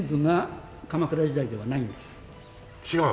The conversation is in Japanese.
違う？